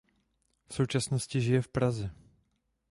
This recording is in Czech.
V současnosti žije v Praze.